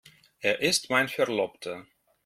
Er ist mein Verlobter.